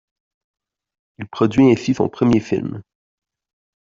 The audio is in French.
Il produit ainsi son premier film.